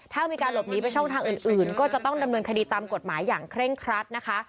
ถ้ามีการหลบหนีไปช่องทางอื่นก็จะต้องดำเนินคดีตามกฎหมายอย่างเคร่งครัดนะคะ